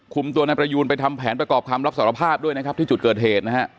คุมตัวนายประยูนไปทำแผนประกอบคำรับสารภาพด้วยนะครับที่จุดเกิดเหตุนะฮะ